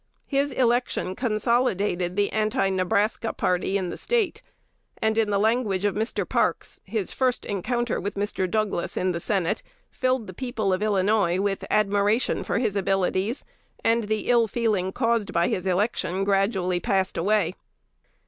His election consolidated the Anti Nebraska party in the State, and, in the language of Mr. Parks, his "first encounter with Mr. Douglas in the Senate filled the people of Illinois with admiration for his abilities; and the ill feeling caused by his election gradually passed away."